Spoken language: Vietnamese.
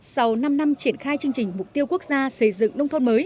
sau năm năm triển khai chương trình mục tiêu của lý sơn